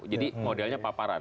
jadi modelnya paparan